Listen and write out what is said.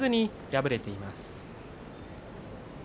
敗れています。